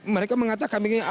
mereka mengatakan begini